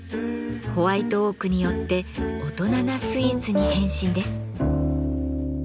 ホワイトオークによって大人なスイーツに変身です。